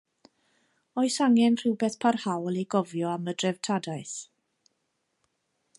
Oes angen rhywbeth parhaol i gofio am y dreftadaeth?